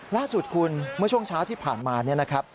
ล่าสุดคุณเมื่อช่วงเช้าที่ผ่านมา